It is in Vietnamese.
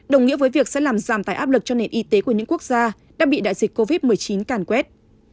đồng nghĩa với việc sẽ làm giảm tài áp lực cho nền y tế của những quốc gia đang bị đại dịch covid một mươi chín càn quét